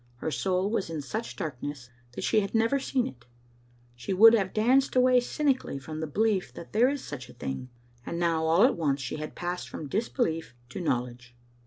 Her soul was in such darkness that she had never seen it ; she would have danced away cynically from the belief that there is such a thing, and now all at once she had passed from disbelief to knowledge.